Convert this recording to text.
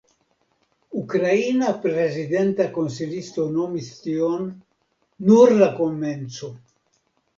Ukraina Prezidenta konsilisto nomis tion ""nur la komenco"".